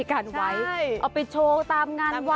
แล้วก็งงงอ